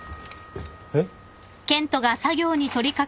えっ？